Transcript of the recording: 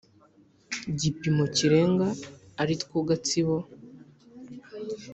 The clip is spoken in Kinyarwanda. gipimo kirenga aritwo Gatsibo